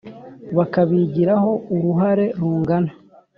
bakabigiraho uruhare rungana.